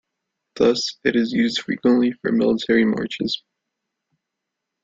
Thus, it is used frequently for military marches.